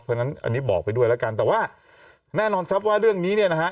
เพราะฉะนั้นอันนี้บอกไปด้วยแล้วกันแต่ว่าแน่นอนครับว่าเรื่องนี้เนี่ยนะฮะ